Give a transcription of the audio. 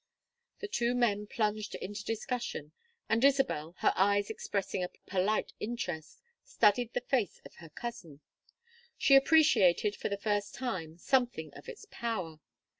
The two men plunged into discussion, and Isabel, her eyes expressing a polite interest, studied the face of her cousin. She appreciated for the first time something of its power.